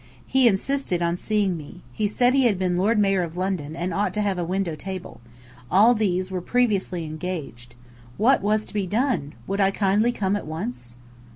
He insisted on seeing me. He said he had been Lord Mayor of London, and ought to have a window table. All these were previously engaged. What was to be done? Would I kindly come at once?